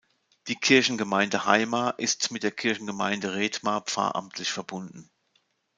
Die Kirchengemeinde Haimar ist mit der Kirchengemeinde Rethmar pfarramtlich verbunden.